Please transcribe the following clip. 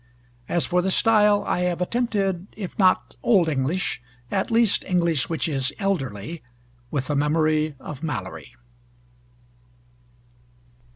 As for the style I have attempted, if not Old English, at least English which is elderly, with a memory of Malory.